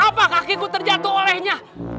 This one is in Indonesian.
gapapa kaki ku terjatuh olehnya